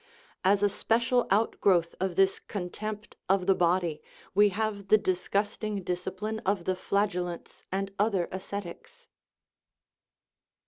As a special outgrowth of this contempt of the body we have the disgusting discipline of the flagellants and other ascetics.